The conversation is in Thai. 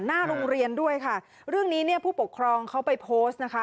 หน้าโรงเรียนด้วยค่ะเรื่องนี้เนี่ยผู้ปกครองเขาไปโพสต์นะคะ